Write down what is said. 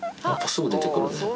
すぐ出てくるね。